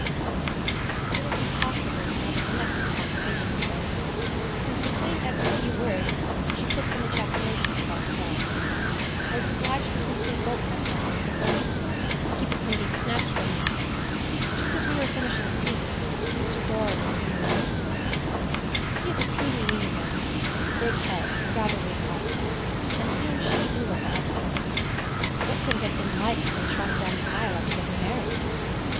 It is impossible to have a connected conversation with her, because between every few words she puts in ejaculations about the dogs. I was obliged to simply bolt my crumpet like a Frenchman, to keep it from being snatched from me. Just as we were finishing tea, Mr. Doran and three men came in. He is a teeny weeny man with a big head and rather weak eyes, and he and she do look odd together. What could it have been like when they trotted down the aisle after getting married!